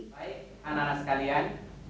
baik anak anak sekalian